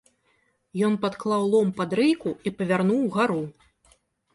Ён падклаў лом пад рэйку і павярнуў угару.